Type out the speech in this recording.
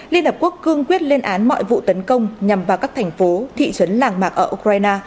liên hợp quốc cương quyết lên án mọi vụ tấn công nhằm vào các thành phố thị trấn làng mạc ở ukraine